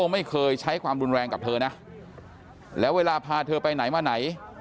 ไม่เคยใช้ความรุนแรงกับเธอนะแล้วเวลาพาเธอไปไหนมาไหน